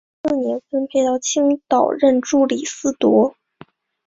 次年分配到青岛任助理司铎。